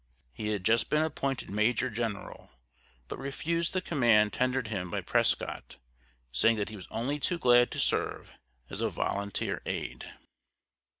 He had just been appointed major general, but refused the command tendered him by Prescott, saying that he was only too glad to serve as a volunteer aid.